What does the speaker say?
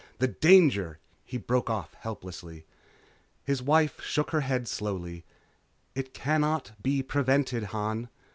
The danger " He broke off helplessly. His wife shook her head slowly. "It cannot be prevented, Han.